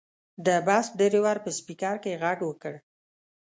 د بس ډریور په سپیکر کې غږ وکړ.